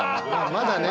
まだね。